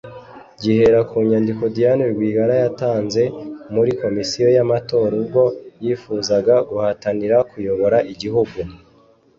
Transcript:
gihera ku nyandiko Diane Rwigara yatanze muri Komisiyo y’Amatora ubwo yifuzaga guhatanira kuyobora igihugu